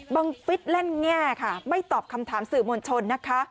ฟิศเล่นแง่ค่ะไม่ตอบคำถามสื่อมวลชนนะคะ